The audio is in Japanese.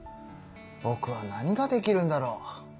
ぼくは何ができるんだろう？